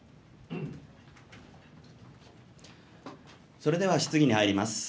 それでは質疑に入ります。